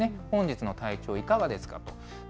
本日の体調、いかがですかと。